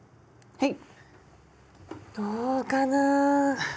はい。